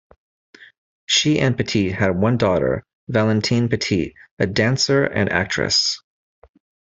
She and Petit had one daughter, Valentine Petit, a dancer and actress.